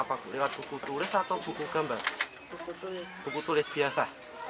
alatnya busri popol pen biasa